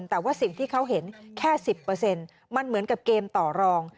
แต่ว่าสิ่งที่เขาเห็นแค่๑๐มันเหมือนกับเกมต่อรอง